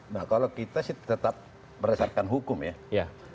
nah kalau kita sih tetap berdasarkan hukum ya